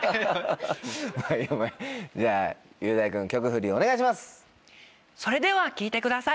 じゃあ雄大君曲フリお願いします！